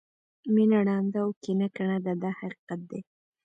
مینه ړانده او کینه کڼه ده دا حقیقت دی.